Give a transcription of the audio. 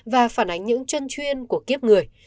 và phản ánh những chân chuyên của kiếp người